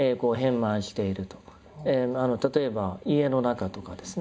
例えば家の中とかですね